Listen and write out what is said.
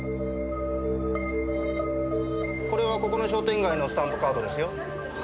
これはここの商店街のスタンプカードですよ。